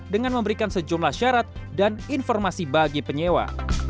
dengan memberikan sejumlah syarat dan informasi bagi penyewa